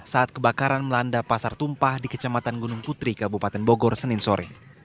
saat kebakaran melanda pasar tumpah di kecamatan gunung putri kabupaten bogor senin sore